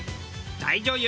大女優